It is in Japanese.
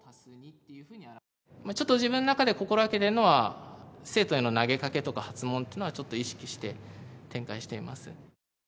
ちょっと自分の中で心がけてるのは、生徒への投げかけとか発問というのは意識して展開しています。